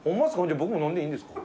僕も飲んでいいんですか？